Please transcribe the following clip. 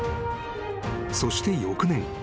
［そして翌年。